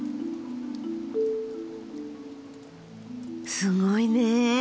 すごいね！